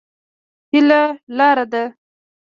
هيله لار ده.